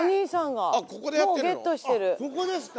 あっここですか？